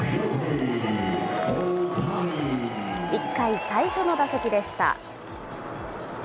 １回、最初の打席でした。